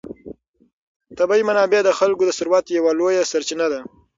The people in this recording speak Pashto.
طبیعي منابع د خلکو د ثروت یوه لویه سرچینه ده.